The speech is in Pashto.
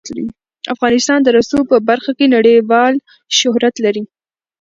افغانستان د رسوب په برخه کې نړیوال شهرت لري.